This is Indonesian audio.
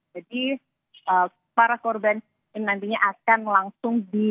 jadi para korban ini nantinya akan langsung diantar